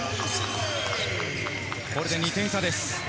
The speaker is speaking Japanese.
これで２点差です。